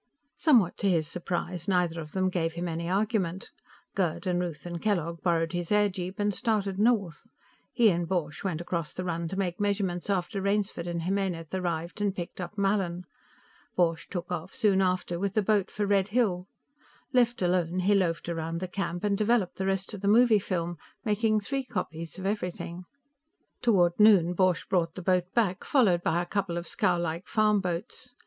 Somewhat to his surprise, neither of them gave him any argument. Gerd and Ruth and Kellogg borrowed his airjeep and started north; he and Borch went across the run to make measurements after Rainsford and Jimenez arrived and picked up Mallin. Borch took off soon after with the boat for Red Hill. Left alone, he loafed around the camp, and developed the rest of the movie film, making three copies of everything. Toward noon, Borch brought the boat back, followed by a couple of scowlike farmboats.